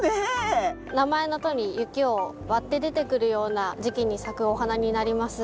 名前のとおり雪を割って出てくるような時期に咲くお花になります。